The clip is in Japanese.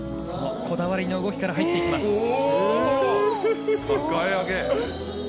このこだわりの動きから入っていきます。